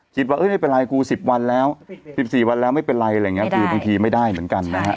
คิดว่าไม่เป็นไรกู๑๐วันแล้ว๑๔วันแล้วไม่เป็นไรอะไรอย่างนี้คือบางทีไม่ได้เหมือนกันนะฮะ